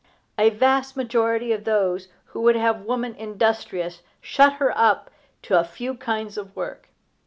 A vast majority of those who would have woman industrious shut her up to a few kinds of work.